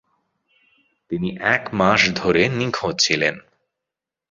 তিনি এক মাস ধরে নিখোঁজ ছিলেন।